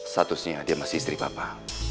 satusnya dia masih istri papa